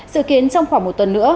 dự kiến trong khoảng một tuần nữa